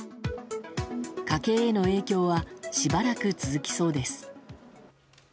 家計への影響はしばらく続きそうです。